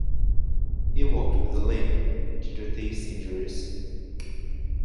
He walked with a limp due to these injuries.